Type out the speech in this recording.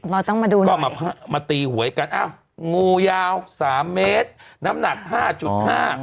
เราต้องมาดูนะก็มามาตีหวยกันอ้าวงูยาวสามเมตรน้ำหนักห้าจุดห้า